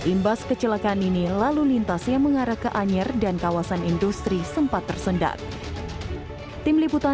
imbas kecelakaan ini lalu lintas yang mengarah ke anyer dan kawasan industri sempat tersendat